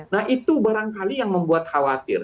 nah itu barangkali yang membuat khawatir